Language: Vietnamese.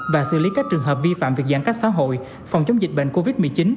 và xử lý các trường hợp vi phạm việc giãn cách xã hội phòng chống dịch bệnh covid một mươi chín